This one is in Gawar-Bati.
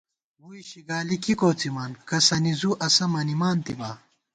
ووئی شِگالی کی کوڅِمان، کسَنی زُو اسہ مَنِمانتِبا